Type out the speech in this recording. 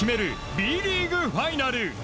Ｂリーグファイナル。